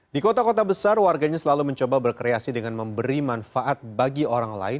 di kota kota besar warganya selalu mencoba berkreasi dengan memberi manfaat bagi orang lain